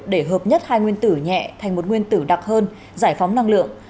để hợp nhất hai nguyên tử nhẹ thành một nguyên tử đặc hơn giải phóng năng lượng